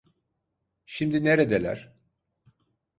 Şimdi neredeler?